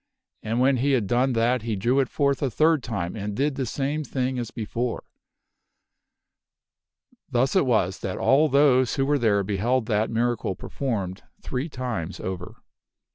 And when he had done that he drew it forth a third time and did the same thing as before. Thus it was that all those who were there beheld that miracle performed three times over.